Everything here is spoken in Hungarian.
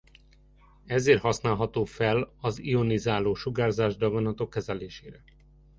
Ezért használható fel az ionizáló sugárzás daganatok kezelésére.